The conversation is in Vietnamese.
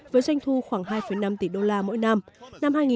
với doanh thu khoảng hai năm tỷ đô la mỗi năm